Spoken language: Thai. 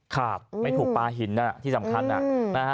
ขาดไม่ถูกปลาหินที่สำคัญนะฮะ